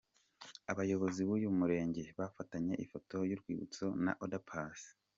Abayobozi b'uyu murenge bafatanye ifoto y'urwibutso na Oda Paccy.